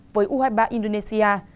với u hai mươi ba indonesia